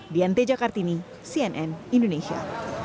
dianti jakartini cnn indonesia